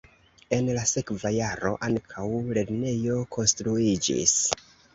En la sekva jaro ankaŭ lernejo konstruiĝis.